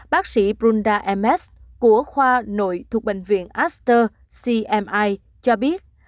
bác sĩ brunda m s của khoa nội thuộc bệnh viện astor cmi cho biết